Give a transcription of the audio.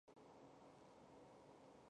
汉武帝元鼎六年开西南夷而置。